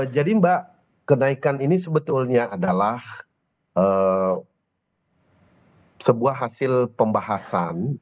mbak kenaikan ini sebetulnya adalah sebuah hasil pembahasan